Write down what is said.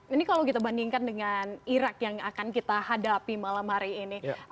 ini kalau kita bandingkan dengan irak yang akan kita hadapi malam hari ini